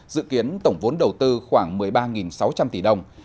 dự kiến tổng vốn đầu tư khoảng một mươi ba sáu trăm linh tỷ đồng